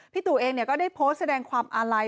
พี่ตุ๋เองเนี่ยได้โพสต์แสดงความอายุพลราย